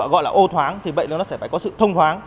gọi là ô thoáng thì vậy nó sẽ phải có sự thông thoáng